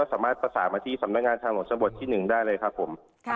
สามารถประสานมาที่สำนักงานทางหลวงชนบทที่๑ได้เลยครับผม